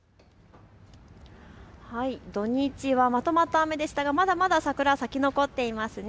土日はまとまった雨でしたがまだまだ桜、咲き誇っていますね。